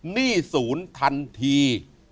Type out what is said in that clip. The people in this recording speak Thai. หนี้ศูนย์ทันที